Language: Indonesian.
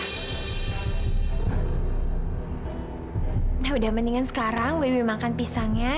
sudah sebaiknya sekarang saya makan pisangnya